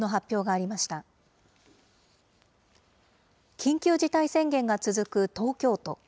緊急事態宣言が続く東京都。